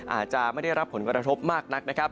อาจจะไม่ได้รับผลกระทบมากนักนะครับ